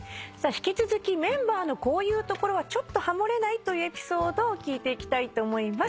引き続きメンバーのこういうところはちょっとハモれないというエピソードを聞いていきたいと思います。